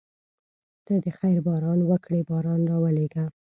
ته د خیر باران وکړې باران راولېږه.